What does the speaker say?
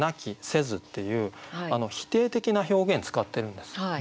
「せず」っていう否定的な表現使ってるんです。